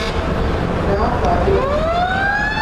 na-akwàdo